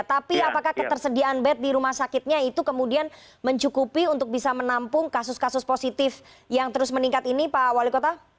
tapi apakah ketersediaan bed di rumah sakitnya itu kemudian mencukupi untuk bisa menampung kasus kasus positif yang terus meningkat ini pak wali kota